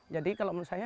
jadi kalau menurut saya